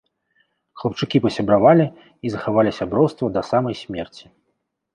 Хлапчукі пасябравалі і захавалі сяброўства да самай смерці.